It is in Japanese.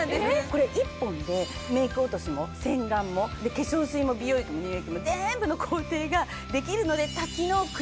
これ１本でメイク落としも洗顔も化粧水も美容液も乳液も全部の工程ができるので。